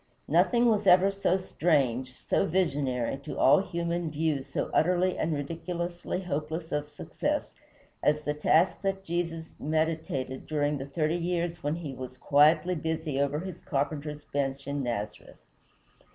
Nothing was ever so strange, so visionary, to all human view so utterly and ridiculously hopeless of success, as the task that Jesus meditated during the thirty years when he was quietly busy over his carpenter's bench in Nazareth.